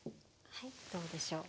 はいどうでしょう？